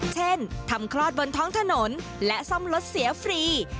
เช่นทำคลอดบนท้องถนนและซ่อมรถเสียฟรี